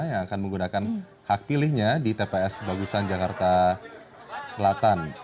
yang akan menggunakan hak pilihnya di tps kebagusan jakarta selatan